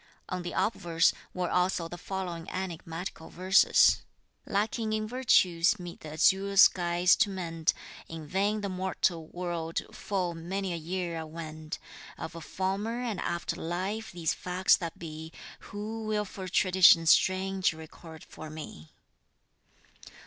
On the obverse, were also the following enigmatical verses: Lacking in virtues meet the azure skies to mend, In vain the mortal world full many a year I wend, Of a former and after life these facts that be, Who will for a tradition strange record for me?